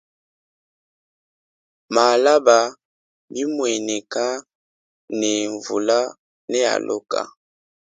Malaba bimuaneka ne mvula ne aloka.